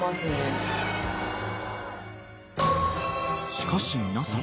［しかし皆さん］